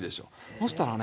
ほしたらね